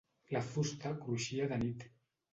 La fusta cruixia de nit.